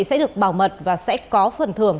sẽ được bảo mật và sẽ có phần thưởng